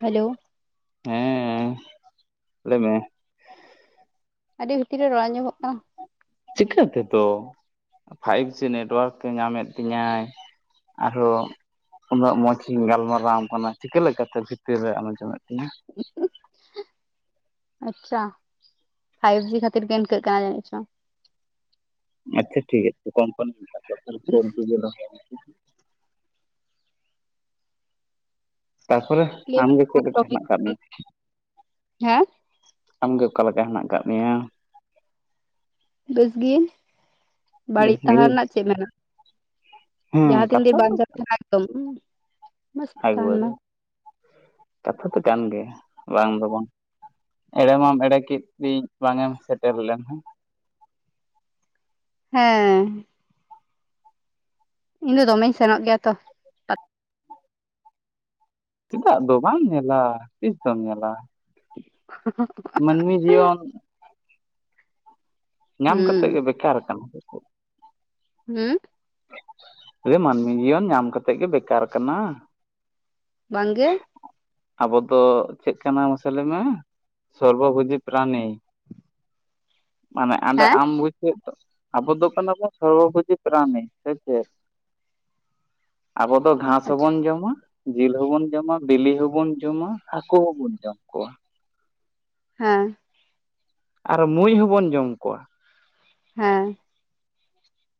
Hello. ᱦᱮᱸ, ᱞᱟᱹᱭ ᱢᱮ᱾ ᱟᱹᱰᱤ ᱵᱷᱤᱛᱤᱨ ᱨᱮ ᱨᱚᱲ ᱟᱸᱡᱚᱢᱚᱜ ᱠᱟᱱᱟ᱾ ᱪᱤᱠᱟᱹ ᱛᱮᱛᱚ? ᱯᱷᱟᱭᱤᱵ ᱡᱤ ᱱᱮᱴᱳᱣᱟᱨᱠ ᱮ ᱧᱟᱢᱮᱫ ᱛᱤᱧᱟᱭ᱾ ᱟᱨᱚ ᱩᱱᱟᱹᱜ ᱢᱚᱸᱡ ᱤᱧ ᱜᱟᱞᱢᱟᱨᱟᱣ ᱟᱢ ᱠᱟᱱᱟ ᱪᱤᱠᱟᱹ ᱞᱮᱠᱟᱛᱮ ᱵᱷᱤᱛᱤᱨ ᱨᱮᱢ ᱟᱸᱡᱚᱢᱮᱫ ᱛᱤᱧᱟᱹ? [inaudible] ᱟᱪᱪᱷᱟ, ᱯᱷᱟᱭᱤᱵ ᱡᱤ ᱠᱷᱟᱹᱛᱤᱨ ᱜᱮ ᱤᱱᱠᱟᱹᱜ ᱠᱟᱱᱟ ᱡᱟᱹᱱᱤᱡ ᱪᱚ᱾ ᱟᱪᱪᱷᱟ ᱴᱷᱤᱠ ᱟᱪᱷᱮ ᱠᱚᱢᱯᱟᱱᱤ ᱥᱟᱞᱟᱜ [unintelligible] ᱛᱮ ᱫᱚ ᱛᱟᱨᱯᱚᱨᱮ ᱟᱢᱜᱮ ᱪᱮᱫ ᱞᱮᱠᱟ ᱦᱮᱱᱟᱜ ᱠᱟᱜ ᱢᱮᱭᱟ? ᱦᱟᱸ ᱟᱢᱜᱮ ᱚᱠᱟ ᱞᱮᱠᱟ ᱦᱮᱱᱟᱜ ᱠᱟᱜ ᱢᱮᱭᱟ? ᱵᱮᱥᱜᱤ, ᱵᱟᱹᱲᱤᱡ ᱵᱮᱥ ᱜᱮ ᱛᱟᱦᱮᱸ ᱨᱮᱱᱟᱜ ᱪᱮᱫ ᱢᱮᱱᱟᱜᱼᱟ᱾ ᱦᱮᱸ ᱡᱟᱦᱟᱸ ᱛᱤᱱ ᱜᱤ ᱠᱟᱛᱷᱟ ᱵᱟᱧᱪᱟᱣ ᱛᱟᱦᱮᱱᱟ ᱮᱠᱫᱚᱢ᱾ ᱢᱚᱸᱡᱽ ᱛᱮ ᱟᱹᱜᱩ ᱛᱟᱦᱮᱱ ᱢᱟ ᱟᱹᱫᱤ, ᱠᱟᱛᱷᱟ ᱫᱚ ᱠᱟᱱ ᱜᱮᱭᱟ ᱵᱟᱝ ᱫᱚ ᱵᱟᱝ᱾ ᱮᱲᱮ ᱢᱟᱢ ᱮᱲᱮ ᱠᱤᱫᱤᱧ ᱵᱟᱝ ᱮᱢ ᱥᱮᱴᱮᱨ ᱞᱮᱱ ᱦᱟᱸ᱾ ᱦᱮᱸ᱾ ᱤᱧ ᱫᱚ ᱫᱚᱢᱮᱧ ᱥᱮᱱᱚᱜ ᱜᱮᱭᱟ ᱛᱚ᱾ ᱪᱤᱫᱟᱜ ᱫᱚ ᱵᱟᱢ ᱧᱮᱞᱟ ᱛᱤᱥ ᱫᱚᱢ ᱧᱮᱞᱟ? [inaudible] ᱢᱟᱹᱱᱢᱤ ᱡᱤᱭᱚᱱ ᱧᱟᱢ ᱦᱩᱸ ᱠᱟᱛᱮᱜ ᱜᱮ ᱵᱮᱠᱟᱨ ᱠᱟᱱᱟ᱾ ᱦᱩᱸ ᱞᱟᱹᱭ ᱢᱟᱹᱱᱢᱤ ᱡᱤᱭᱚᱱ ᱧᱟᱢ ᱠᱟᱛᱮᱜ ᱜᱮ ᱵᱮᱠᱟᱨ ᱠᱟᱱᱟ? ᱵᱟᱝ ᱜᱮ᱾ ᱟᱵᱚ ᱫᱚ ᱪᱮᱫ ᱠᱟᱱᱟ ᱢᱟᱥᱮ ᱞᱟᱹᱭ ᱢᱮ, ᱥᱚᱨᱵᱚᱵᱷᱩᱡᱤ ᱯᱨᱟᱱᱤ᱾ ᱢᱟᱱᱮ ᱟᱸᱰᱮ ᱦᱮᱸ ᱟᱢ ᱵᱩᱡᱷᱟᱹᱣ ᱟᱵᱚ ᱫᱚ ᱠᱟᱱᱟ ᱵᱚᱱ ᱥᱚᱨᱵᱚᱵᱷᱩᱡᱤ ᱯᱨᱟᱱᱤ ᱥᱮ ᱪᱮᱫ᱾ ᱟᱵᱚ ᱫᱚ ᱜᱷᱟᱸᱥ ᱟᱪᱪᱷᱟ ᱦᱚᱸᱵᱚᱱ ᱡᱚᱢᱟ ᱡᱤᱞ ᱦᱚᱸᱵᱚᱱ ᱡᱚᱢᱟ ᱵᱤᱞᱤ ᱦᱚᱸᱵᱚᱱ ᱡᱚᱢᱟ ᱦᱟᱹᱠᱩ ᱦᱚᱸᱵᱚᱱ ᱡᱚᱢ ᱠᱚᱣᱟ᱾ ᱦᱮᱸ᱾ ᱟᱨ ᱢᱩᱡ ᱦᱚᱸᱵᱚᱱ ᱡᱚᱢ ᱠᱚᱣᱟ᱾ ᱦᱮᱸ᱾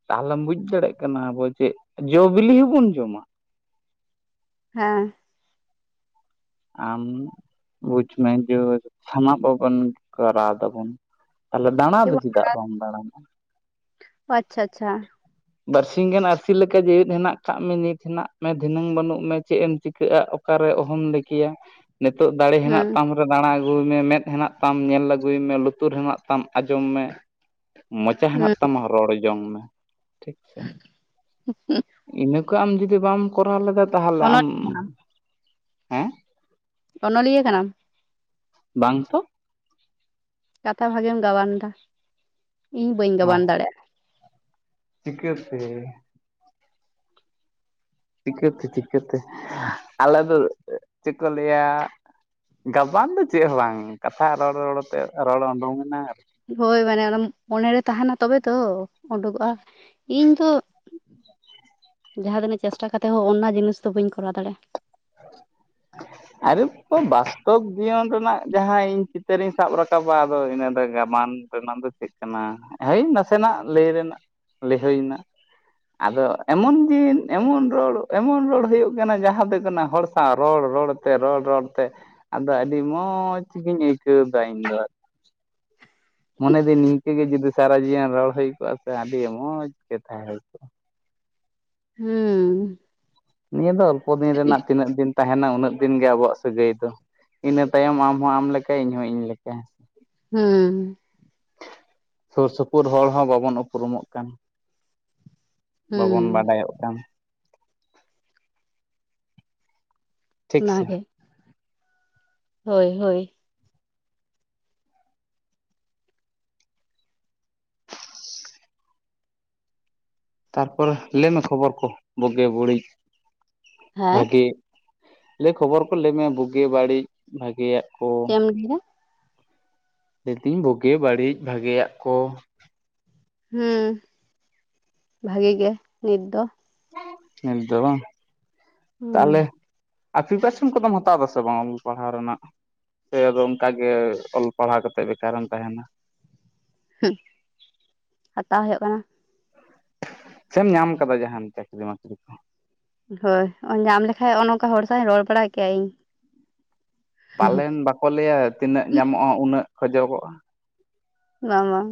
ᱛᱟᱦᱚᱞᱮᱢ ᱵᱩᱡ ᱫᱟᱲᱮᱭᱟᱜ ᱠᱟᱱᱟ ᱟᱵᱚ ᱪᱮ ᱡᱚ ᱵᱤᱞᱤ ᱦᱚᱸᱵᱚᱱ ᱡᱚᱢᱟ᱾ ᱦᱮᱸ᱾ ᱟᱢ ᱵᱩᱡ ᱢᱮ ᱡᱚ ᱛᱷᱟᱢᱟ ᱠᱚ ᱵᱚᱱ ᱠᱚᱨᱟᱣ ᱫᱟᱵᱚᱱ᱾ ᱛᱷᱟᱞᱮ ᱫᱟᱬᱟ ᱪᱮᱫ ᱫᱚ ᱵᱟᱝ ᱪᱮᱫᱟᱜ ᱵᱟᱢ ᱫᱟᱬᱟᱱᱟ? ᱚ ᱟᱪᱪᱷᱟ ᱟᱪᱪᱷᱟ ᱵᱟᱨᱹᱥᱤᱧ ᱜᱟᱱ ᱟᱹᱨᱥᱤ ᱞᱮᱠᱟ ᱡᱤᱣᱮᱫ ᱦᱮᱱᱟᱜ ᱠᱟᱜ ᱢᱮ ᱱᱤᱛ ᱦᱮᱱᱟᱜ ᱢᱮ ᱫᱷᱤᱱᱟᱹᱝ ᱵᱟᱹᱱᱩᱜ ᱢᱮ ᱪᱮᱫ ᱮᱢ ᱪᱤᱠᱟᱹᱜᱼᱟ ᱚᱠ ᱚᱠᱟᱨᱮ ᱚᱦᱚᱢ ᱞᱟᱹᱠᱮᱭᱟ, ᱱᱤᱛᱚᱜ ᱫᱟᱲᱮ ᱦᱮᱱᱟᱜ ᱦᱩᱸ ᱛᱟᱢ ᱫᱟᱬᱟ ᱟᱹᱜᱩ ᱢᱮ ᱢᱮᱫ ᱦᱮᱱᱟᱜ ᱛᱟᱢ ᱧᱮᱞ ᱟᱹᱜᱩᱭ ᱢᱮ ᱞᱩᱛᱩᱨ ᱦᱮᱱᱟᱜ ᱛᱟᱢ ᱟᱸᱡᱚᱢ ᱢᱮ᱾ ᱢᱚᱪᱟ ᱦᱮᱱᱟᱜ ᱦᱩᱸ ᱛᱟᱢᱟ ᱨᱚᱲ ᱡᱚᱝ ᱢᱮ᱾ ᱴᱷᱤᱠ ᱥᱮ ᱤᱱᱟᱹ ᱠᱚ ᱟᱢ ᱡᱩᱫᱤ ᱵᱟᱢ ᱠᱚᱨᱟᱣ ᱞᱮᱫᱟ ᱛᱟᱦᱚᱞᱮ ᱟᱢ ᱚᱱᱚᱞᱤᱭᱟᱹ ᱠᱟᱱᱟᱢ ᱦᱮᱸ ᱚᱱᱚᱞᱤᱭᱟᱹ ᱠᱟᱱᱟᱢ᱾ ᱵᱟᱝ ᱛᱚ᱾ ᱠᱟᱛᱷᱟ ᱵᱷᱟᱜᱤᱢ ᱜᱟᱵᱟᱱ ᱫᱟ, ᱤᱧ ᱵᱟᱹᱧ ᱜᱟᱵᱟᱱ ᱫᱟᱲᱮᱭᱟᱜᱼᱟ᱾ ᱪᱤᱠᱟᱹ ᱛᱮ? ᱪᱤᱠᱟᱹᱛᱮ? ᱪᱤᱠᱟᱹᱛᱮ? ᱟᱞᱮ ᱫᱚ ᱪᱮᱫ ᱠᱚ ᱞᱟᱹᱭ-ᱟ᱾ ᱜᱟᱵᱟᱱ ᱫᱚ ᱪᱮᱫ ᱦᱚᱸ ᱵᱟᱝ ᱠᱟᱛᱷᱟ ᱨᱚᱲ ᱨᱚᱲᱛᱮ ᱨᱚᱲ ᱩᱰᱩᱠᱮᱱᱟ, ᱟᱨᱠᱤ ᱦᱳᱭ ᱢᱟᱱᱮ ᱚᱱᱟ ᱢᱚᱱᱮᱨᱮ ᱛᱟᱦᱮᱱᱟ ᱛᱚᱵᱮ ᱛᱚ ᱩᱰᱩᱠᱚᱜᱼᱟ ᱤᱧ ᱫᱚ ᱡᱟᱦᱟᱸ ᱛᱤᱹᱜ ᱪᱮᱥᱴᱟ ᱠᱟᱛᱮᱫ ᱦᱚᱸ ᱚᱱᱟ ᱡᱤᱱᱤᱥ ᱫᱚ ᱵᱟᱹᱧ ᱠᱚᱨᱟᱣ ᱫᱟᱲᱮᱭᱟᱜᱼᱟ᱾ ᱦ [unintelligible] ᱟᱨ ᱛᱚ ᱵᱟᱥᱛᱚᱵ ᱡᱤᱭᱚᱱ ᱨᱮᱱᱟᱜ ᱡᱟᱦᱟᱸ ᱤᱧ ᱪᱤᱛᱟᱹᱨᱤᱧ ᱥᱟᱵ ᱨᱟᱠᱟᱵᱟ ᱟᱫᱚ ᱤᱱᱟᱹ ᱫᱚ ᱜᱟᱢᱟᱱ ᱨᱮᱱᱟᱜ ᱫᱚ ᱪᱮᱫ ᱠᱟᱱᱟ ᱦᱳᱭ ᱱᱟᱥᱮᱱᱟᱜ ᱞᱟᱹᱭ ᱨᱮᱱᱟᱜ ᱞᱟᱹᱭᱦᱟᱹᱭᱱᱟ᱾ ᱟᱫᱚ ᱮᱢᱚᱱ ᱫᱤᱱ ᱮᱢᱚᱱ ᱨᱚᱲ ᱮᱢᱚᱱ ᱨᱚᱲ ᱦᱩᱭᱩᱜ ᱠᱟᱱᱟ ᱡᱟᱦᱟᱸ ᱫᱚ ᱠᱟᱱᱟ᱾ ᱦᱚᱲ ᱥᱟᱶ ᱨᱚᱲ ᱨᱚᱲ ᱛᱮ ᱨᱚᱲ ᱨᱚᱲ ᱛᱮ ᱟᱫᱚ ᱟᱹᱰᱤ ᱢᱚᱡᱽ ᱜᱤᱧ ᱟᱹᱭᱠᱟᱹᱣ ᱫᱟ ᱤᱧ ᱫᱚ ᱢᱚᱱᱮ ᱫᱤᱧ ᱱᱤᱝᱠᱟᱹᱜ ᱜᱮ ᱡᱩᱫᱤ ᱥᱟᱨᱟ ᱡᱤᱭᱚᱱ ᱨᱚᱲ ᱦᱩᱭ ᱠᱚᱜᱼᱟ ᱥᱮ ᱟᱹᱰᱤ ᱢᱚᱸᱡᱽ ᱜᱮ ᱛᱟᱦᱮᱸ ᱦᱩᱭ ᱠᱚᱜᱼᱟ᱾ ᱦᱮᱸ ᱱᱤᱭᱟᱹ ᱫᱚ ᱚᱞᱯᱚ ᱫᱤᱱ ᱨᱮᱱᱟᱜ ᱛᱤᱱᱟᱹᱜ ᱫᱤᱱ ᱛᱟᱦᱮᱱᱟ ᱩᱱᱟᱹᱜ ᱫᱤᱱ ᱜᱮ ᱟᱵᱚᱣᱟᱜ ᱥᱟᱹᱜᱟᱹᱭ ᱫᱚ ᱤᱱᱟᱹ ᱛᱟᱭᱚᱢ ᱟᱢᱦᱚ ᱟᱢ ᱞᱮᱠᱟ ᱤᱧᱦᱚ ᱤᱧ ᱞᱮᱠᱟ᱾ ᱦᱮᱸ ᱥᱩᱨ ᱥᱩᱯᱩᱨ ᱦᱚᱲ ᱦᱚᱸ ᱵᱟᱵᱚᱱ ᱩᱯᱨᱩᱢᱚᱜ ᱠᱟᱱ, ᱦᱩᱸ ᱵᱟᱵᱚᱱ ᱵᱟᱰᱟᱭᱚᱜ ᱠᱟᱱ ᱴᱷᱤᱠ ᱥᱮ ᱚᱱᱟᱜᱮ ᱦᱳᱭ ᱦᱳᱭ ᱛᱟᱨᱯᱚᱨᱮ ᱞᱟᱹᱭ ᱢᱮ ᱠᱷᱚᱵᱚᱨ ᱠᱚ ᱵᱩᱜᱮ ᱵᱟᱹᱲᱤᱡ ᱦᱮᱸ ᱵᱷᱟᱜᱤ ᱞᱟᱹᱭ ᱠᱷᱚᱵᱚᱨ ᱠᱚ ᱞᱟᱹᱭ ᱢᱮ ᱵᱩᱜᱤ ᱵᱟᱹᱲᱤᱡ ᱵᱷᱟᱜᱮᱭᱟᱜ ᱠᱚ ᱪᱮᱫ ᱮᱢ ᱞᱟᱹᱭ ᱠᱮᱫᱟ? ᱞᱟᱹᱭ ᱫᱟᱹᱧ ᱵᱩᱜᱤ ᱵᱟᱹᱲᱤᱡ ᱵᱷᱟᱜᱮᱭᱟᱜ ᱠᱚ ᱦᱩᱸ ᱵᱷᱟᱜᱤ ᱜᱮ ᱱᱤᱛ ᱫᱚ ᱱᱤᱛ ᱫᱚ ᱵᱟᱝ ᱦᱩᱸ ᱛᱟᱦᱚᱞᱮ ᱟᱨ ᱯᱨᱤᱯᱟᱨᱮᱥᱚᱱ ᱠᱚᱫᱚᱢ ᱦᱟᱛᱟᱣ ᱮᱫᱟᱥᱮ ᱵᱟᱝ ᱯᱟᱲᱦᱟᱣ ᱨᱮᱱᱟᱜ ᱥᱮ ᱟᱫᱚ ᱚᱱᱠᱟᱜᱮ ᱚᱞ ᱯᱟᱲᱦᱟᱣ ᱠᱟᱛᱮᱫ ᱵᱮᱠᱟᱨᱮᱢ ᱛᱟᱦᱮᱱᱟ ᱦᱮ ᱦᱟᱛᱟᱣ ᱦᱩᱭᱩᱜ ᱠᱟᱱᱟ᱾ ᱥᱮᱢ ᱧᱟᱢ ᱠᱟᱫᱟ ᱡᱟᱦᱟᱱ ᱪᱟᱹᱠᱨᱤ ᱢᱟᱹᱠᱨᱤ ᱠᱚ ᱦᱳᱭ ᱧᱟᱢ ᱞᱮᱠᱷᱟᱡ ᱚᱱᱮ ᱱᱚᱱᱠᱟ ᱦᱚᱲ ᱥᱟᱶ ᱤᱧ ᱨᱚᱲ ᱵᱟᱲᱟ ᱠᱮᱭᱟ ᱤᱧ ᱯᱟᱞᱮᱱ ᱵᱟᱠᱚ ᱞᱟᱹᱭᱟ ᱛᱤᱱᱟᱹᱜ ᱧᱟᱢᱚᱜᱼᱟ ᱩᱱᱟᱹᱜ ᱠᱷᱚᱡᱚᱜᱚᱜᱼᱟ᱾ ᱵᱟᱝ ᱵᱟᱝ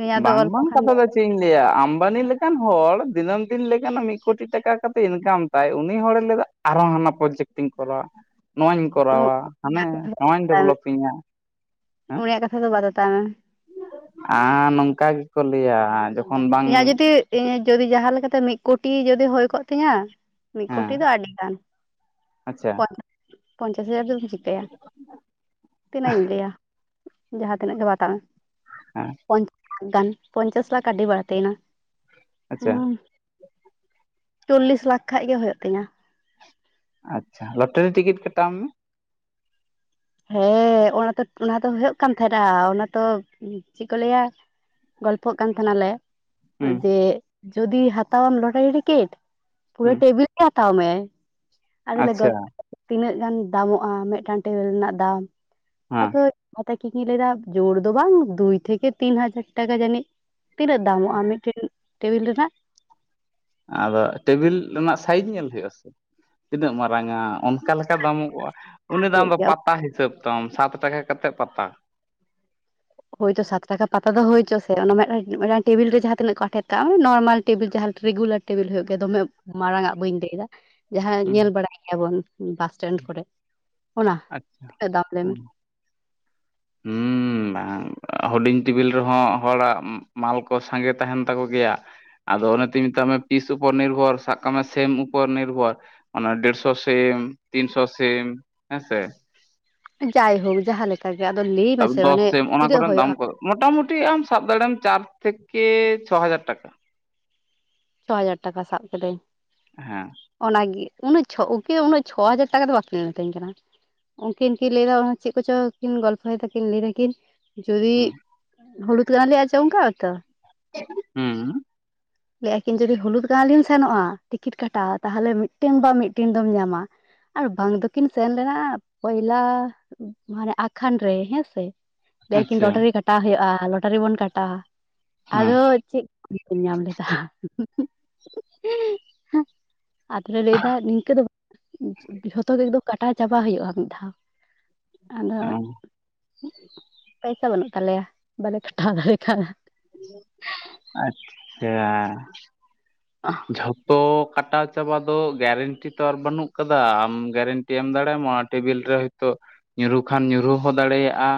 ᱤᱧᱟᱹᱜ ᱫᱚ ᱵᱟᱝ ᱚᱞᱯᱚ ᱵᱟᱝ ᱠᱷᱟᱱ ᱠᱟᱛᱷᱟ ᱜᱮ ᱫᱚ ᱪᱮᱫ ᱤᱧ ᱞᱟᱹᱭᱟ ᱟᱢᱵᱟᱱᱤ ᱞᱮᱠᱟᱱ ᱦᱚᱲ ᱫᱤᱱᱟᱹᱢ ᱫᱤᱱ ᱞᱮᱠᱟᱱᱟᱜ ᱢᱤᱫ ᱠᱳᱴᱤ ᱴᱟᱠᱟ ᱠᱟ ᱠᱟᱛᱮᱫ ᱤᱱᱠᱟᱢ ᱛᱟᱭ ᱩᱱᱤ ᱦᱚᱲᱮ ᱞᱟᱹᱭᱟ ᱟᱨᱦᱚ ᱦᱟᱱᱟ ᱯᱨᱚᱡᱮᱠᱴᱴᱤᱧ ᱠᱚᱨᱟᱣᱟ᱾ ᱱᱚᱣᱟᱧ ᱩᱱᱟᱹᱜ ᱠᱚᱨᱟᱣᱟ ᱦᱟᱱᱮ ᱱᱚᱣᱟᱧ ᱛᱟᱭᱢᱮ ᱰᱮᱵᱷᱞᱚᱯᱤᱧᱟ ᱦᱮᱸ ᱩᱱᱤᱭᱟᱜ ᱠᱟᱛᱷᱟ ᱫᱚ ᱵᱟᱫ ᱛᱟᱭ ᱢᱮ ᱟᱨ ᱱᱚᱝᱠᱟ ᱜᱮᱠᱚ ᱞᱟᱹᱭᱟ ᱡᱚ ᱤᱧᱟᱹᱜ ᱡᱩᱫᱤ ᱡᱟᱦᱟᱸ ᱞᱮᱠᱟᱛᱮ ᱢᱤᱫ ᱠᱳᱴᱤ ᱡᱚᱫᱤ ᱦᱩᱭ ᱠᱚᱜ ᱛᱤᱧᱟᱹ ᱦᱮᱸ ᱢᱤᱫᱠᱩᱴᱤ ᱫᱚ ᱟᱹᱰᱤᱲ ᱜᱟᱱ ᱟᱪᱪᱷᱟ ᱯᱚᱧᱪᱟᱥ ᱦᱟᱡᱟᱨ ᱫᱚ ᱪᱤᱠᱟᱭᱭᱟ ᱛᱤᱱᱟᱹᱜ ᱤᱧ ᱞᱟᱹᱭᱟ ᱡᱟᱦᱟᱸ ᱛᱤᱱᱟᱹᱜ ᱜᱮ ᱵᱟᱛᱟᱣ ᱢᱮ ᱦᱮᱸ ᱯᱪ [unintelligible] ᱜᱟᱱ ᱯᱚᱪᱟᱥ ᱞᱟᱠᱷ ᱟᱹᱰᱤᱰᱤ ᱵᱟᱟᱹᱲᱛᱮᱱᱟ ᱦ ᱟᱪᱪᱷᱟ [unintelligible] ᱪᱚᱞᱞᱤᱥ ᱞᱟᱠᱷ ᱠᱷᱟᱱ ᱜᱮ ᱦᱩᱭᱩᱜ ᱛᱤᱧᱟᱹ ᱟᱪᱪᱷᱟ ᱞᱚᱴᱟᱨᱤ ᱴᱤᱠᱤᱴ ᱠᱟᱴᱟᱣ ᱢᱮ ᱦᱮᱸ ᱚᱱᱟ ᱚᱱᱟ ᱫᱚ ᱦᱩᱭᱩᱜ ᱠᱟᱱ ᱛᱟᱦᱮᱱᱟ ᱚᱱᱟ ᱛᱚ ᱪᱮᱫ ᱠᱚ ᱞᱟᱹᱭᱟ? ᱜᱚᱞᱯᱚᱜ ᱠᱟᱱ ᱛᱟᱦᱮᱱᱟᱞᱮ ᱦᱩᱸ ᱡᱮ ᱡᱩᱫᱤ ᱦᱟᱛᱟᱟᱣᱢ ᱞᱟᱴ ᱨᱮ ᱴᱤᱠᱤᱴ ᱯᱩᱨᱟᱹ ᱦᱩᱸ ᱴᱮᱵᱤᱞ ᱦᱟᱛᱟᱣ ᱢᱮ ᱟᱞᱮ ᱞᱮ ᱟᱪᱪᱷᱟ ᱜᱚᱞᱯᱚᱭᱟ ᱛᱤᱱᱟᱹᱜ ᱜᱟᱱ ᱫᱟᱢᱚᱜᱼᱟ ᱢᱤᱫᱴᱟᱝ ᱴᱮᱵᱤᱞ ᱨᱮᱱᱟᱜ ᱦᱮᱸ ᱟᱫᱚ ᱟᱫᱚ ᱠᱤᱱ ᱞᱟᱹᱭ ᱮᱫᱟ ᱰᱷᱮᱨ ᱫᱚ ᱵᱟᱝ ᱫᱩᱭ ᱛᱷᱮᱠᱮ ᱛᱤᱱ ᱦᱟᱡᱟᱨ ᱴᱟᱠᱟ ᱡᱟᱹᱱᱤᱡ ᱛᱤᱱᱟᱹᱜ ᱫᱟᱢᱚᱜᱼᱟ ᱢᱤᱫᱴᱮᱱ ᱴᱮᱵᱤᱞ ᱨᱮᱱᱟᱜ ᱟᱫᱚ ᱴᱮᱵᱤᱞ ᱨᱮᱱᱟᱜ ᱥᱟᱭᱤᱡᱽ ᱧᱮᱞ ᱦᱩᱭᱩᱜ ᱟᱥᱮ ᱛᱤᱱᱟᱹᱜ ᱢᱟᱨᱟᱝᱼᱟ ᱚᱠᱟ ᱞᱮᱠᱟ ᱫᱟᱢᱚᱜᱚᱜᱼᱟ ᱩᱱᱤ ᱫᱚ ᱟᱢ ᱦᱩᱭᱩᱜ ᱫᱚ ᱜᱮᱭᱟ ᱯᱟᱛᱟ ᱦᱤᱥᱟᱹᱵ ᱫᱟᱢ ᱥᱟᱛ ᱴᱟᱠᱟ ᱠᱟᱛᱮᱫ ᱯᱟᱛᱟ ᱦᱳᱭᱛᱚ ᱥᱟᱛ ᱴᱟᱠᱟ ᱯᱟᱛᱟ ᱫᱚ ᱦᱳᱭᱪᱚ ᱥᱮ ᱚᱱᱟ ᱴᱮᱵᱤᱞ ᱨᱮ ᱡᱟᱦᱟᱸ ᱛᱤᱱᱟᱹᱜ ᱠᱚ ᱟᱴᱷᱮᱨ ᱛᱟᱜᱼᱟ ᱱᱚᱨᱢᱟᱞ ᱴᱮᱵᱤᱞ ᱡᱟᱦᱟᱸ ᱨᱮᱜᱩᱞᱟᱨ ᱴᱮᱵᱤᱞ ᱦᱳᱭᱳ ᱜᱮ ᱫᱚᱢᱮ ᱢᱟᱨᱟᱝᱼᱟ ᱵᱟᱹᱧ ᱞᱟᱹᱭ ᱮᱫᱟ ᱡᱟᱦᱟᱸ ᱦᱩᱸ ᱧᱮᱞ ᱵᱟᱲᱟᱭ ᱜᱮᱭᱟ ᱵᱚᱱ ᱵᱟᱥᱴᱮᱱᱰ ᱠᱚᱨᱮ ᱚᱱᱟ ᱟᱪᱪᱷᱟ ᱛᱤᱱᱟᱹᱜ ᱫᱟᱢ ᱞᱟᱹᱭ ᱦᱩᱸ ᱢᱮᱥᱮ ᱦᱩᱸ ᱦᱩᱰᱤᱧ ᱴᱮᱵᱤᱞ ᱨᱮᱦᱚᱸ ᱦᱚᱲᱟᱜ ᱢᱟᱞ ᱠᱚ ᱥᱟᱸᱜᱮ ᱛᱟᱦᱮᱱ ᱛᱟᱠᱚ ᱜᱮᱭᱟ ᱟᱫᱚ ᱚᱱᱮ ᱛᱩᱧ ᱢᱮᱛᱟᱜ ᱢᱮ ᱯᱤᱥ ᱩᱯᱚᱨ ᱱᱤᱨᱵᱷᱚᱨ ᱥᱟᱵ ᱠᱟᱜ ᱢᱮ ᱥᱮᱢ ᱩᱯᱚᱨ ᱱᱤᱨᱵᱷᱚᱨ ᱚᱱᱟ ᱰᱮᱲᱥᱚ ᱥᱤᱢ ᱛᱤᱱᱥᱚ ᱥᱤᱢ ᱦᱮᱸ ᱥᱮ ᱡᱟᱭᱦᱳᱠ ᱡᱟᱦᱟᱸ ᱞᱮᱠᱟ ᱜᱮ ᱟᱫᱚ ᱞᱟᱹᱭ ᱢᱮᱥᱮ ᱢᱟᱱᱮ ᱛᱤᱱᱟᱹᱜ ᱦᱩᱭᱩᱜᱼᱟ ᱢᱚᱴᱟ ᱢᱩᱴᱤ ᱟᱢ ᱥᱟᱵ ᱫᱟᱲᱮᱭᱢ ᱪᱟᱨ ᱛᱷᱮᱠᱮ ᱪᱷᱚ ᱦᱟᱡᱟᱨ ᱴᱟᱠᱟ ᱪᱷᱚ ᱦᱟᱡᱟᱨ ᱴᱟᱠᱟ ᱥᱟᱵ ᱠᱤᱫᱟᱹᱧ ᱦᱮᱸ ᱚᱱᱟᱜᱮ ᱩᱱᱟᱹᱜ ᱪᱷᱚ ᱩᱱᱟᱹᱜ ᱪᱷᱚ ᱦᱟᱡᱟᱨ ᱴᱟᱠᱟ ᱫᱚ ᱵᱟ ᱠᱤᱱ ᱢᱤᱛᱟᱹᱧ ᱠᱟᱱᱟ ᱩᱱᱠᱤᱱ ᱠᱤᱱ ᱞᱟᱹᱭᱮᱫᱟ ᱚᱱᱟ ᱪᱮᱫ ᱠᱚ ᱪᱚᱝ ᱠᱤᱱ ᱜᱚᱞᱯᱚ ᱭᱮᱫᱟ ᱠᱤᱱ ᱞᱟᱹᱭ ᱮᱫᱟ ᱠᱤᱱ ᱡᱩᱫᱤ ᱦᱩᱸ ᱦᱩᱲᱩ ᱛᱩᱫ ᱟᱡᱚᱢ ᱠᱟᱜᱼᱟ ᱛᱚ ᱦᱩᱸ ᱞᱟᱹᱭ ᱮᱫᱟ ᱠᱤᱱ ᱡᱩᱫᱤ ᱦᱩᱞᱩᱫ ᱜᱟᱶ ᱞᱤᱧ ᱥᱮᱱᱚᱜᱼᱟ ᱴᱤᱠᱤᱴ ᱠᱟᱴᱟᱣ ᱛᱟᱦᱚᱞᱮ ᱢᱤᱫᱴᱮᱱ ᱵᱟ ᱢᱤᱫᱴᱮᱱ ᱫᱚᱢ ᱧᱟᱢᱟ ᱟᱨ ᱵᱟᱝ ᱫᱚᱠᱤᱱ ᱥᱮᱱ ᱞᱮᱱᱟ ᱯᱚᱭᱞᱟ ᱢᱟᱱᱮ ᱟᱠᱠᱷᱟᱱ ᱨᱮ ᱦᱮᱸ ᱥᱮ ᱞᱟᱹᱭ ᱟᱠᱤᱱ ᱟᱪᱪᱷᱟ ᱞᱚᱴᱟᱨᱤ ᱠᱟᱴᱟᱣ ᱦᱩᱭᱩᱜᱼᱟ ᱞᱚᱴᱟᱨᱤ ᱵᱚᱱ ᱠᱟᱴᱟᱣᱟ ᱦᱮᱸ ᱟᱫᱚ ᱪᱮᱫ ᱧᱟᱢ ᱞᱮᱫᱟ ᱟᱫᱚ ᱞᱮ ᱞᱟᱹᱭ ᱮᱫᱟ ᱱᱤᱝᱠᱟᱹ ᱫᱚ ᱡᱷᱚᱛᱚ ᱜᱮ ᱤᱱᱠᱟᱹ ᱠᱟᱴᱟᱣ ᱪᱟᱵᱟ ᱦᱩᱭᱩᱜᱼᱟ ᱢᱤᱫ ᱫᱷᱟᱣ ᱟᱫᱚ ᱯᱚᱭᱥᱟ ᱵᱟᱹᱱᱩᱜ ᱛᱟᱞᱮᱭᱟ ᱵᱟᱞᱮ ᱠᱟᱴᱟᱣ ᱫᱟᱲᱮ ᱟᱠᱟᱫᱟ ᱟᱪᱪᱷᱟ ᱡᱷᱚᱛᱚ ᱠᱟᱴᱟᱣ ᱪᱟᱵᱟ ᱫᱚ ᱜᱮᱨᱮᱱᱴᱤ ᱛᱚ ᱟᱨ ᱵᱟᱹᱱᱩᱜ ᱟᱠᱟᱫᱟ ᱟᱢ ᱜᱮᱨᱮᱱᱴᱤ ᱮᱢ ᱫᱟᱲᱮᱭᱟᱢᱟ ᱴᱮᱵᱤᱞ ᱨᱮ ᱦᱚᱭᱛᱳ ᱧᱩᱨᱦᱩ ᱠᱷᱟᱱ ᱧᱩᱨᱦᱩ ᱦᱚᱸ ᱫᱟᱲᱮᱭᱟᱜᱼᱟ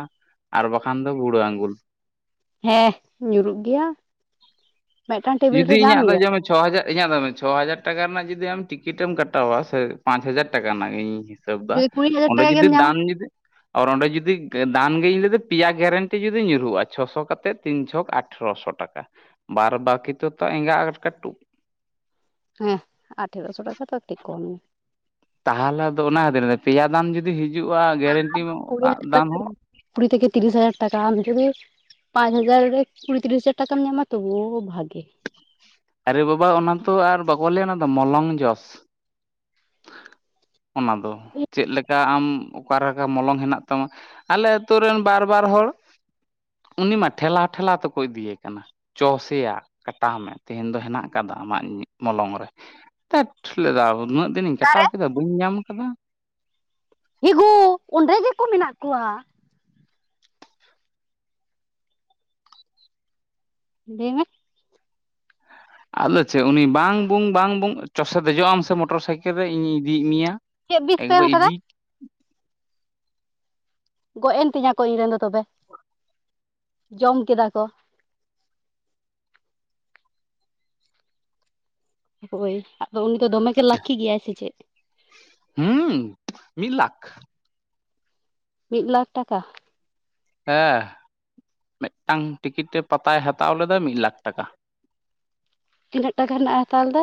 ᱟᱨ ᱵᱟᱠᱷᱟᱱ ᱫᱚ ᱵᱩᱲᱟᱹ ᱟᱸᱜᱩᱞ ᱦᱮᱸ ᱧᱩᱨᱩᱜ ᱜᱮᱭᱟ ᱢᱤᱫᱴᱟᱝ ᱴᱮᱵᱤᱞ ᱡᱩᱫᱤ ᱨᱮ ᱧᱟᱢ ᱤᱧᱟᱹᱜ ᱫᱚ ᱜᱮᱭᱟ ᱪᱷᱚ ᱦᱟᱡᱟᱨ ᱤᱧᱟᱹᱜ ᱫᱚ ᱢᱮᱱ ᱪᱷᱚ ᱦᱟᱡᱟᱨ ᱴᱟᱠᱟ ᱨᱮᱱᱟᱜ ᱡᱩᱫᱤ ᱟᱢ ᱴᱤᱠᱤᱴᱮᱢ ᱠᱟᱴᱟᱣᱟ ᱥᱮ ᱯᱟᱸᱪ ᱦᱟᱡᱟᱨ ᱴᱟᱠᱟ ᱨᱮᱱᱟᱜ ᱤᱧ ᱦᱤᱥᱟᱹᱵ ᱮᱫᱟ ᱡᱩᱫᱤ ᱠᱩᱲᱤ ᱦᱟᱡᱟᱨ ᱚᱸᱰᱮ ᱴᱟᱠᱟ ᱡᱩᱫᱤ ᱜᱮᱢ ᱧᱟᱢᱟ ᱫᱟᱱ ᱡᱩᱫᱤ ᱟᱨ ᱚᱸᱰᱮ ᱡᱩᱫᱤ ᱫᱟᱱ ᱜᱮ ᱡᱩᱫᱤ ᱯᱮᱭᱟ ᱜᱮᱨᱮᱱᱴᱤ ᱡᱩᱫᱤ ᱧᱩᱨᱦᱩᱜᱼᱟ ᱪᱷᱚᱥᱚ ᱠᱟᱛᱮᱫ ᱛᱤᱱ ᱪᱷᱚᱠ ᱟᱴᱷᱨᱚᱥᱚ ᱴᱟᱠᱟ ᱵᱟᱫ ᱵᱟᱠᱤ ᱛᱚ ᱮᱸᱜᱟ ᱠᱟᱹᱴᱩᱵ ᱦᱮᱸ ᱟᱴᱷᱨᱚᱥᱚ ᱴᱟᱠᱟ ᱛᱚ ᱠᱟᱹᱴᱤᱡ ᱠᱚᱢ ᱜᱮᱭᱟ ᱛᱟᱦᱚᱞᱮ ᱫᱚ ᱚᱱᱟ ᱠᱷᱟᱹᱛᱤᱨ ᱯᱮᱭᱟ ᱫᱟᱢ ᱡᱩᱫᱤ ᱦᱤᱡᱩᱜᱼᱟ ᱜᱮᱨᱮᱱᱴᱤ ᱠᱩᱲᱤ ᱟᱜ ᱦᱟᱡᱟᱨ ᱫᱟᱢ ᱴᱟᱠᱟ ᱦᱚᱸ ᱠᱩᱲᱤ ᱛᱮᱜᱮ ᱛᱤᱨᱤᱥ ᱦᱟᱡᱟᱨ ᱴᱟᱠᱟ ᱯᱟᱸᱪ ᱦᱟᱡᱟᱨ ᱨᱮ ᱠᱩᱲᱤ ᱛᱤᱨᱤᱥ ᱦᱟᱡᱟᱨ ᱴᱟᱠᱟᱢ ᱧᱟᱢᱟ ᱛᱚᱵᱩ ᱵᱷᱟᱜᱤ ᱟᱨᱮ ᱵᱟᱵᱟ ᱚᱱᱟ ᱛᱚ ᱟᱨ ᱵᱟᱠᱚ ᱞᱟᱹᱭᱟ ᱚᱱᱟ ᱫᱚ ᱢᱚᱞᱚᱝ ᱡᱚᱥ ᱚᱱᱟ ᱫᱚ ᱪᱮᱫ ᱞᱮᱠᱟ ᱟᱢ ᱚᱠᱟ ᱞᱮᱠᱟ ᱢᱚᱞᱚᱝ ᱦᱮᱱᱟᱜ ᱛᱟᱢᱟ ᱟᱞᱮ ᱟᱛᱳ ᱨᱮᱱ ᱵᱟᱨ ᱵᱟᱨ ᱦᱚᱲ ᱩᱱᱤ ᱢᱟ ᱴᱷᱮᱞᱟᱣ ᱴᱷᱮᱞᱟᱣ ᱛᱮᱠᱚ ᱤᱫᱤᱭᱮ ᱠᱟᱱᱟ ᱪᱚ ᱥᱮᱭᱟᱜ ᱠᱟᱴᱟᱣ ᱢᱮ ᱛᱮᱦᱮᱧ ᱫᱚ ᱦᱮᱱᱟᱜ ᱟᱠᱟᱫᱟ ᱟᱢᱟᱜ ᱢᱚᱞᱚᱝ ᱨᱮ ᱫᱟᱹᱴ ᱞᱟᱹᱭ ᱮᱫᱟ ᱩᱱᱟᱹᱜ ᱫᱤᱱᱤᱧ ᱠᱟᱴᱟᱣ ᱚᱠᱟᱨᱮ ᱠᱮᱫᱟ ᱵᱟᱹᱧ ᱧᱟᱢ ᱟᱠᱟᱫᱟ ᱤᱜᱩᱻ ᱚᱸᱰᱮ ᱜᱮᱠᱚ ᱢᱮᱱᱟᱜ ᱠᱚᱣᱟ ᱞᱟᱹᱭ ᱢᱮ ᱟᱫᱚ ᱪᱮᱫ ᱩᱱᱤ ᱵᱟᱝ ᱵᱩᱝ ᱵᱟᱝ ᱵᱩᱝ ᱪᱚᱥᱮ ᱫᱮᱡᱚᱜ-ᱟᱢ ᱥᱮ ᱢᱚᱴᱚᱨ ᱥᱟᱭᱠᱮᱞ ᱨᱮ ᱤᱧᱤᱧ ᱤᱫᱤᱭᱮᱜ ᱢᱮᱭᱟ ᱪᱮᱜ ᱵᱤᱥ ᱯᱮ ᱮᱢ ᱮᱠᱵᱟᱨ ᱠᱟᱫᱟ ᱤᱫᱤ ᱜᱚᱡ ᱮᱱ ᱛᱤᱧᱟ ᱠᱚ ᱤᱧ ᱨᱮᱱ ᱫᱚ ᱛᱚᱵᱮ ᱡᱚᱢ ᱠᱮᱫᱟ ᱠᱚ ᱦᱳᱭ ᱟᱫᱚ ᱩᱱᱤ ᱫᱚ ᱫᱚᱢᱮᱜᱮ ᱞᱟᱠᱤ ᱜᱮᱭᱟᱭ ᱥᱮ ᱪᱮᱫ ᱦᱩᱸ ᱢᱤᱫ ᱞᱟᱠᱷ ᱢᱤᱫ ᱞᱟᱠᱷ ᱴᱟᱠᱟ ᱦᱮᱸ ᱢᱮᱜᱴᱟᱝ ᱴᱤᱠᱤᱴ ᱨᱮ ᱯᱟᱛᱟᱭ ᱦᱟᱛᱟᱣ ᱞᱮᱫᱟ ᱢᱤᱫ ᱞᱟᱠᱷ ᱴᱟᱠᱟ ᱛᱤᱱᱟᱹᱜ ᱴᱟᱠᱟ ᱨᱮᱱᱟᱜ-ᱮ ᱦᱟᱛᱟᱣ ᱞᱮᱫᱟ?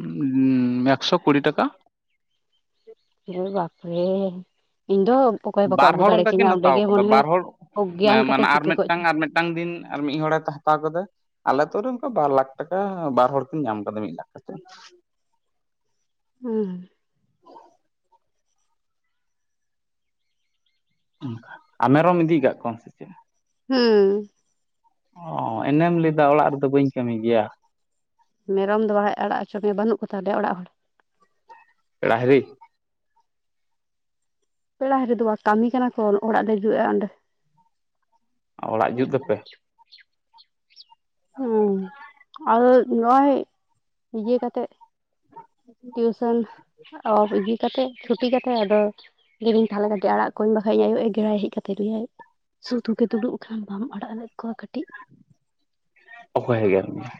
ᱩᱸᱻ ᱮᱠᱥᱚ ᱠᱩᱲᱤ ᱴᱟᱠᱟ ᱩᱨᱮ ᱵᱟᱯᱨᱮ ᱤᱧ ᱫᱚ ᱚᱠᱚᱭ ᱵᱟᱠᱚ ᱵᱟᱨ ᱟᱹᱜᱩ ᱦᱚᱲ ᱫᱟᱲᱮ ᱚᱝᱠᱟ ᱠᱤᱱ ᱠᱤᱧᱟ ᱚᱸᱰᱮ ᱦᱟᱛᱟᱣ ᱜᱮ ᱠᱟᱫᱟ ᱢᱚᱱᱮ ᱦᱚᱭ ᱵᱟᱨ ᱦᱚᱲ ᱚᱜᱽᱜᱮᱭᱟᱱ ᱠᱟᱛᱮ ᱢᱟᱱᱮ ᱟᱨ ᱪᱤᱠᱟᱹ ᱠᱚ ᱢᱤᱫᱴᱟᱝ ᱪᱚ ᱟᱨ ᱢᱤᱫ ᱴᱟᱝ ᱫᱤᱱ ᱟᱨ ᱢᱤᱫ ᱦᱚᱲᱮ ᱦᱟᱛᱟᱣ ᱠᱟᱫᱟ ᱟᱞᱮ ᱟᱹᱛᱩ ᱨᱮ ᱚᱝᱠᱟ ᱵᱟᱨ ᱞᱟᱠᱷ ᱴᱟᱠᱟ ᱵᱟᱨ ᱦᱚᱲ ᱠᱤᱱ ᱧᱟᱢ ᱠᱟᱫᱟ, ᱢᱤᱫ ᱞᱟᱠᱷ ᱠᱟᱛᱮᱫ ᱦᱩᱸ ᱚᱱᱠᱟ ᱟᱨ ᱢᱮᱨᱚᱢ ᱤᱫᱤ ᱠᱟᱜ ᱠᱚᱣᱟᱢ ᱥᱮ ᱪᱮᱫ ᱦᱩᱸ ᱚ, ᱤᱱᱟᱹᱢ ᱞᱟᱹᱭᱫᱟ ᱚᱲᱟᱜ ᱨᱮᱫᱚ ᱵᱟᱹᱧ ᱠᱟᱹᱢᱤ ᱜᱮᱭᱟ ᱢᱮᱨᱚᱢ ᱫᱚ ᱵᱟᱠᱷᱟᱡ ᱟᱲᱟᱜ ᱦᱚᱪᱚ ᱢᱮᱭᱟ ᱵᱟᱹᱱᱩᱜ ᱠᱚᱛᱟ ᱞᱮᱭᱟ ᱚᱲᱟᱜ ᱦᱚᱲ ᱯᱮᱲᱟ ᱦᱤᱨᱤ ᱯᱮᱲᱟ ᱦᱤᱨᱤ ᱫᱚ ᱵᱟ ᱠᱟᱢᱤ ᱠᱟᱱᱟ ᱠᱚ ᱚᱲᱟᱜ ᱞᱟᱹᱜᱤ ᱱᱚᱜ-ᱚᱭ ᱚᱸᱰᱮ ᱚ, ᱚᱲᱟᱜ ᱡᱩᱫ ᱫᱟᱯᱮ ᱦᱩᱸ ᱟᱨᱚ ᱱᱚᱜ-ᱚᱭ ᱤᱭᱟᱹ ᱠᱟᱛᱮᱜ ᱴᱤᱭᱩᱥᱚᱱ ᱟᱨ ᱤᱭᱟᱹ ᱠᱟᱛᱮ ᱪᱷᱩᱴᱤ ᱠᱟᱛᱮ ᱟᱫᱚ ᱞᱟᱹᱭᱫᱟᱹᱧ ᱛᱟᱦᱞᱮ ᱠᱟᱹᱴᱤᱡ ᱟᱲᱟᱜ ᱠᱚᱣᱟᱹᱧ ᱵᱟ ᱟᱭᱳᱭ ᱮᱜᱮᱨᱟᱭ ᱦᱮᱡ ᱠᱟᱛᱮ ᱞᱟᱹᱭᱟᱭ ᱥᱩᱫᱩ ᱜᱮ ᱫᱩᱲᱩᱵ ᱟᱠᱟᱱ ᱵᱟᱢ ᱟᱲᱟᱜ ᱞᱮᱫ ᱠᱚᱣᱟ ᱠᱟᱹᱴᱤᱡ ᱚᱠᱚᱭ ᱮᱜᱮᱨ ᱢᱮᱭᱟ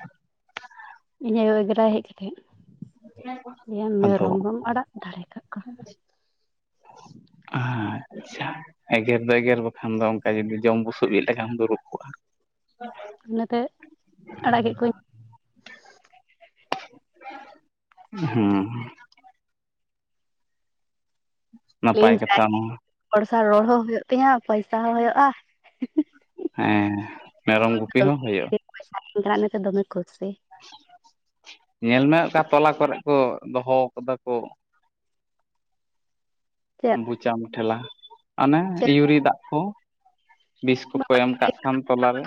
ᱤᱧ ᱟᱭᱳ ᱮᱜᱮᱨᱟᱭ ᱦᱮᱡ ᱠᱟᱛᱮᱫ, ᱞᱟᱹᱭᱟ ᱟᱫᱚ ᱢᱮᱨᱚᱢ ᱵᱟᱢ ᱟᱲᱟᱜ ᱫᱟᱲᱮ ᱠᱟᱜ ᱠᱚᱣᱟ [unintelligible] ᱟᱻᱪᱪᱷᱟ ᱮᱜᱮᱨ ᱫᱚ ᱮᱜᱮᱨ ᱵᱟᱠᱷᱟᱱ ᱫᱚ ᱚᱝᱠᱟ ᱡᱩᱫᱤ ᱡᱚᱢ ᱵᱩᱥᱩᱵ ᱤᱡ ᱞᱮᱠᱟᱢ ᱫᱩᱲᱩᱵ ᱠᱚᱜ-ᱟ [inaudible] ᱚᱱᱟᱛᱮ ᱟᱲᱟᱜ ᱠᱮᱜ ᱠᱚᱣᱟᱹᱧ ᱦᱮᱸ ᱱᱟᱯᱟᱭ ᱤᱧ ᱡᱟ ᱠᱟᱛᱷᱟ ᱜᱮ ᱱᱚᱣᱟ ᱦᱚᱲ ᱥᱟᱶ ᱨᱚᱲ ᱦᱚᱸ ᱦᱩᱭᱩᱜ ᱛᱤᱧᱟᱹ ᱯᱟᱭᱥᱟ ᱦᱚᱸ ᱦᱳᱭᱳᱜ-ᱟ ᱦᱮᱸ ᱢᱮᱨᱚᱢ ᱜᱩᱯᱤ ᱦᱚᱸ ᱦᱳᱭᱳᱜ-ᱟ [unintelligible] ᱫᱚᱢᱮ ᱠᱩᱥᱤ ᱧᱮᱞ ᱢᱮ ᱚᱠᱟ ᱛᱚᱞᱟ ᱠᱚᱨᱮᱜ ᱠᱚ ᱫᱚᱦᱚ ᱠᱟᱫᱟ ᱠᱚ ᱪᱮᱫ ᱵᱩᱪᱟᱢ ᱴᱷᱮᱞᱟ ᱚᱱᱟ ᱪᱮᱫ ᱤᱭᱩᱨᱤ ᱫᱟᱜ ᱠᱚ ᱵᱤᱥ ᱠᱚᱠᱚ ᱮᱢ ᱠᱟᱜ ᱠᱷᱟᱱ ᱛᱚᱞᱟᱨᱮ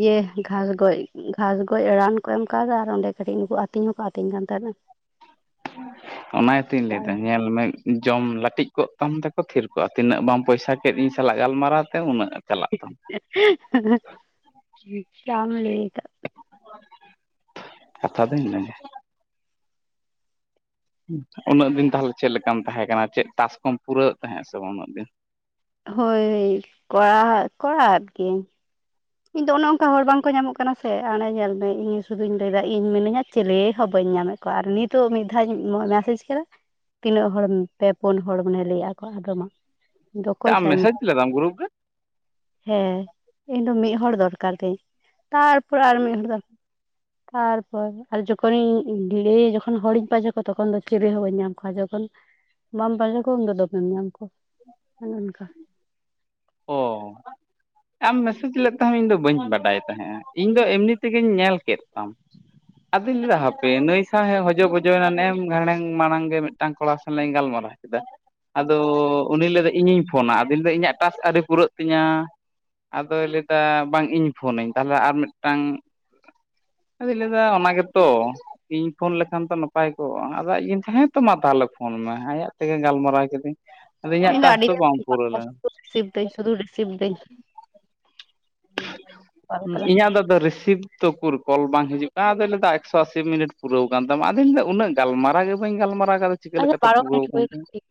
ᱤᱭᱟᱹ ᱜᱷᱟᱸᱥ ᱜᱚᱡ, ᱜᱷᱟᱸᱥ ᱜᱚᱡ ᱨᱟᱱ ᱦᱚᱸᱠᱚ ᱮᱢ ᱠᱟᱣᱫᱟ ᱟᱨ ᱚᱸᱰᱮ ᱠᱟᱹᱴᱤᱡ ᱱᱩᱠᱩ ᱟᱛᱤᱧ ᱦᱚᱸᱠᱚ ᱟᱛᱤᱧ ᱠᱟᱱ ᱛᱟᱸᱦᱮᱱᱟ ᱚᱱᱟ ᱜᱮᱛᱩᱧ ᱞᱟᱹᱭᱫᱟ ᱧᱮᱞ ᱢᱮ ᱡᱚᱢ ᱞᱟᱹᱴᱤᱡ ᱠᱚᱜ ᱛᱟᱢ ᱛᱮᱠᱚ ᱛᱷᱤᱨ ᱠᱚᱜ-ᱟ ᱛᱤᱱᱟᱹᱜ ᱵᱟᱢ ᱯᱚᱭᱥᱟ ᱠᱮᱫ ᱤᱧ ᱥᱟᱞᱟᱜ ᱜᱟᱞᱢᱟᱨᱟᱣ ᱛᱮ ᱩᱱᱟᱹᱜ ᱪᱟᱞᱟᱜ ᱛᱟᱢᱟ ᱡᱟᱢ ᱞᱟᱹᱭ ᱠᱟᱜ ᱠᱟᱛᱷᱟ ᱫᱚ ᱤᱱᱟᱹᱜᱮ ᱩᱱᱟᱹᱜ ᱫᱤᱱ ᱛᱟᱦᱞᱮ ᱪᱮᱫ ᱞᱮᱠᱟᱢ ᱛᱟᱦᱮᱸ ᱠᱟᱱᱟ ᱪᱮᱫ ᱴᱟᱥᱠ ᱠᱚᱢ ᱯᱩᱨᱟᱹᱣᱮᱫ ᱛᱟᱦᱮᱸᱜ ᱥᱮ ᱵᱟ ᱩᱱᱟᱹᱜ ᱫᱤᱱ ᱦᱳᱭ [unintelligible] ᱟᱨ ᱠᱤ ᱤᱧ ᱫᱚ ᱚᱱᱮ ᱚᱝᱠᱟ ᱦᱚᱲ ᱵᱟᱝᱠᱚ ᱧᱟᱢᱚᱜ ᱠᱟᱱᱟ ᱥᱮ ᱚᱱᱮ ᱧᱮᱞ ᱢᱮ ᱤᱧ ᱥᱩᱫᱩᱧ ᱞᱟᱹᱭᱫᱟ ᱤᱧ ᱢᱤᱱᱤᱧᱟ ᱪᱮᱞᱮ ᱦᱚᱸ ᱵᱟᱹᱧ ᱧᱟᱢᱮᱫ ᱠᱚᱣᱟ ᱟᱨ ᱱᱤᱛᱚᱜ ᱢᱤᱫ ᱫᱷᱟᱣᱤᱧ ᱢᱮᱥᱮᱡᱽ ᱠᱟᱫᱟ ᱛᱤᱱᱟᱹᱜ ᱦᱚᱲᱮᱢ ᱯᱮ ᱯᱩᱱ ᱦᱚᱲ ᱢᱟᱱᱮ ᱞᱟᱹᱭᱟᱜᱼᱟ ᱠᱚ, ᱟᱫᱚ ᱢᱟ ᱤᱧᱫᱚ ᱚᱠᱚᱭ ᱟᱢ ᱥᱟᱶᱤᱧ ᱢᱮᱥᱮᱡᱽ ᱨᱚᱲ ᱞᱮᱫᱟᱢ ᱜᱨᱩᱯ ᱨᱮ ᱦᱮᱸ ᱤᱧ ᱫᱚ ᱢᱤᱫ ᱦᱚᱲᱚᱲ ᱫᱚᱨᱠᱟᱨ ᱛᱤᱧ ᱛᱟᱨᱯᱚᱨ ᱟᱨ ᱢᱤᱫ ᱦᱚᱲ ᱫᱚᱨᱠᱟᱨ ᱛᱟᱨᱯᱚᱨ ᱟᱨ ᱡᱚᱠᱷᱚᱱᱤᱧ ᱞᱟᱹᱭ ᱡᱚᱠᱷᱚᱱ ᱦᱚᱲᱤᱧ ᱯᱟᱸᱡᱟ ᱠᱚᱣᱟ ᱛᱚᱠᱷᱚᱱ ᱫᱚ ᱪᱮᱵᱤ ᱦᱚᱸ ᱵᱟᱹᱧ ᱧᱟᱢᱟ᱾ ᱚᱠᱟ ᱡᱚᱠᱷᱚᱱ ᱵᱟᱢ ᱯᱟᱱᱡᱟ ᱠᱚᱣᱟ ᱩᱱ ᱫᱚ ᱫᱚᱢᱮᱢ ᱧᱟᱢ ᱠᱚᱣᱟ ᱚᱱᱮ ᱚᱱᱠᱟ ᱚ ᱟᱢ ᱢᱮᱥᱮᱡᱽ ᱞᱮᱫ ᱛᱟᱦᱮᱸ ᱤᱧ ᱫᱚ ᱵᱟᱹᱧ ᱵᱟᱰᱟᱭ ᱛᱟᱦᱮᱸᱜᱼᱟ ᱤᱧ ᱫᱚ ᱮᱢᱱᱤ ᱛᱮᱜᱤᱧ ᱧᱮᱞ ᱠᱮᱫ ᱛᱟᱢ᱾ ᱟᱫᱚᱧ ᱞᱮᱫᱟ ᱦᱟᱯᱮ ᱱᱩᱹᱭ ᱥᱟᱦᱚ ᱦᱚᱡᱚ ᱜᱚᱡᱚᱭᱮᱱᱟᱱᱮ ᱮᱢ ᱜᱷᱟᱲᱝ ᱢᱟᱲᱟᱝ ᱜᱮ ᱢᱤᱫᱴᱟᱝ ᱠᱚᱲᱟ ᱥᱟ ᱥᱟᱞᱟᱜ ᱜᱟᱞᱢᱟᱨᱟᱣ ᱠᱮᱫᱟ ᱟᱫᱚ ᱩᱱᱤ ᱞᱟᱹᱭ ᱫᱚ ᱤᱧᱤᱧ ᱯᱷᱳᱱᱟ ᱟᱫᱚᱧ ᱫᱚ ᱤᱧᱟᱹᱜ᱾ ᱴᱟᱥ ᱟᱹᱨᱤ ᱯᱩᱨᱟᱹᱜ ᱛᱤᱧᱟᱹ ᱟᱫᱚᱭ ᱞᱟᱹᱭᱟ ᱵᱟᱝ ᱤᱧ ᱯᱷᱳᱱᱟᱹᱧ ᱛᱟᱦᱚᱞᱮ ᱟᱨ ᱢᱤᱫᱴᱟᱝ ᱟᱫᱚᱧ ᱞᱟᱹᱭᱫᱟ ᱚᱱᱟ ᱜᱮᱛᱚ᱾ ᱤᱧ ᱯᱷᱳᱱ ᱞᱮᱠᱷᱟᱱ ᱛᱚ ᱱᱟᱯᱟᱭ ᱠᱚᱜᱼᱟ ᱟᱫᱚ ᱤᱧ ᱛᱟᱦᱮᱸᱛ ᱢᱟ ᱛᱟᱦᱞᱮ ᱯᱷᱳᱱ ᱢᱮ ᱟᱭᱟᱜ ᱛᱮᱜᱮ ᱜᱟᱞᱢᱟᱨᱟᱣ ᱠᱤᱫᱟᱹᱧ ᱟᱫᱚ ᱤᱧᱟᱹᱜ ᱴᱟᱥ ᱫᱚ ᱵᱟᱝ ᱯᱩᱨᱟᱹᱣ ᱞᱮᱱᱟ ᱥᱤᱵ ᱫᱟᱹᱧ ᱥᱩᱫᱷᱩ ᱨᱮ ᱥᱤᱵᱫᱟᱹᱧ ᱤᱧᱟᱜ ᱟᱫᱚ ᱨᱤᱥᱤᱵᱷ ᱛᱚ ᱩᱠᱩᱨ ᱠᱚᱞ ᱵᱟᱝ ᱦᱤᱡᱩᱜ ᱠᱟᱱᱟ ᱟᱫᱚᱧ ᱞᱮᱫᱟᱹᱭᱟ ᱮᱠᱥᱚ ᱟᱥᱤ ᱢᱤᱱᱤᱴ ᱯᱩᱨᱟᱹᱣ ᱠᱟᱱ ᱛᱟᱢᱟ ᱟᱫᱚᱧ ᱢᱮᱱᱟᱹᱭᱟ ᱩᱱᱟᱹᱜ ᱜᱮ ᱜᱟᱞᱢᱟᱨᱟᱣ ᱜᱮ ᱵᱟᱹᱧ ᱜᱟᱞᱢᱟᱨᱟᱣ ᱠᱟᱫᱟ ᱪᱤᱠᱟᱹ ᱟᱪᱪᱷᱟ ᱞᱮᱠᱟᱛᱮ ᱵᱟᱨᱚ ᱯᱩᱨᱟᱹᱣ ᱢᱤᱱᱤᱴ ᱠᱟᱱ ᱦᱩᱭ ᱠᱟᱱᱟ ᱛᱤᱧᱟ ᱴᱷᱤᱠ ᱜᱮᱭᱟ